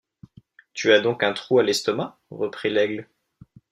Tu as donc un trou à l’estomac? reprit Laigle.